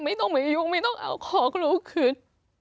ไม่ต้องมายุ่งไม่ต้องเอาของลูกคืน